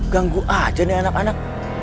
ganggu aja nih anak anak